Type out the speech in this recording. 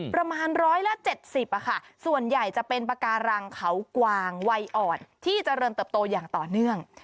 ประมาณ๑๗๐ส่วนใหญ่จะเป็นปากการังเขากวางวัยอ่อนที่เจริญเติบโตอย่างต่อเนื่อง